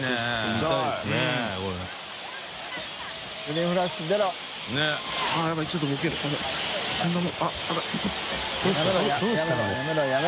どうしたら。